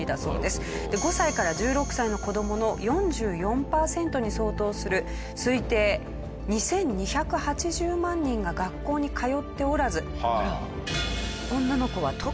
５歳から１６歳の子どもの４４パーセントに相当する推定２２８０万人が学校に通っておらず。